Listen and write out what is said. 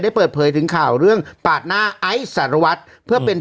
ได้เปิดเผยถึงข่าวเรื่องบาดหน้าไอซ์สัรวัสหรือผู้จัดการ